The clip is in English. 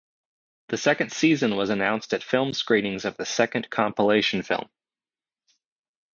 The second season was announced at film screenings of the second compilation film.